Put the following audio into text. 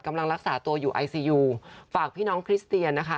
กำลังรักษาตัวอยู่ไอซียูฝากพี่น้องคริสเตียนนะคะ